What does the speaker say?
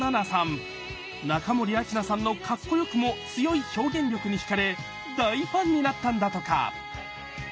中森明菜さんのカッコよくも強い表現力に惹かれ大ファンになったんだとか。